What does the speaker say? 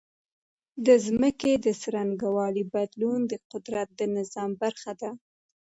د ځمکې د څرنګوالي بدلون د قدرت د نظام برخه ده.